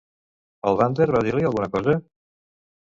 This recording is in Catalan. El bander va dir-li alguna cosa?